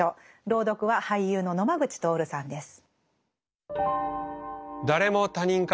朗読は俳優の野間口徹さんです。